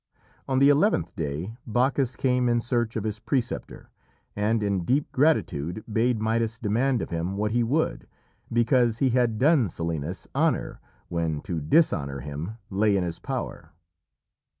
On the eleventh day Bacchus came in search of his preceptor, and in deep gratitude bade Midas demand of him what he would, because he had done Silenus honour when to dishonour him lay in his power.